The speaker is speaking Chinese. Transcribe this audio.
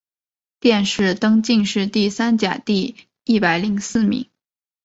殿试登进士第三甲第一百零四名。